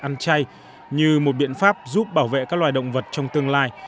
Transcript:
ăn chay như một biện pháp giúp bảo vệ các loài động vật trong tương lai